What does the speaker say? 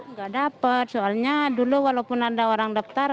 nggak dapat soalnya dulu walaupun ada orang daftar